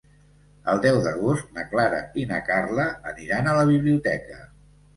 El deu d'agost na Clara i na Carla aniran a la biblioteca.